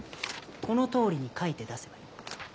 このとおりに書いて出せばいい。